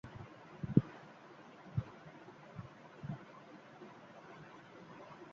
chairman PCB کی New Zealand کو دورہ پاکستان کی پیشکش